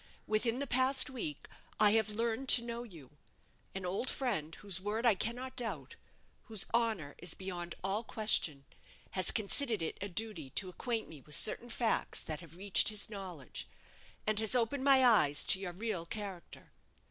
Within the past week I have learned to know you. An old friend, whose word I cannot doubt, whose honour is beyond all question, has considered it a duty to acquaint me with certain facts that have reached his knowledge, and has opened my eyes to your real character.